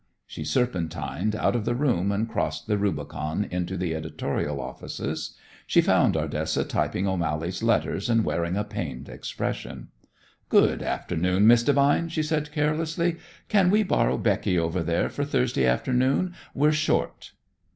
She serpentined out of the room and crossed the Rubicon into the editorial offices. She found Ardessa typing O'Mally's letters and wearing a pained expression. "Good afternoon, Miss Devine," she said carelessly. "Can we borrow Becky over there for Thursday afternoon? We're short."